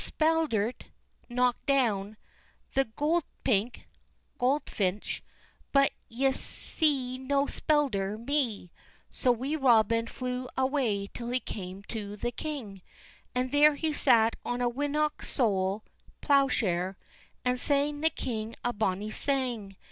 Ye speldert (knocked down) the gowdspink (goldfinch), but ye'se no spelder me." So Wee Robin flew awa' till he came to the king; and there he sat on a winnock sole (plowshare), and sang the king a bonny sang.